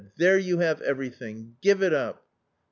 There you have everything. Give it up